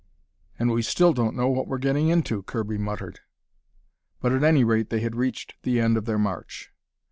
"And we still don't know what we're getting into," Kirby muttered. But at any rate they had reached the end of their march.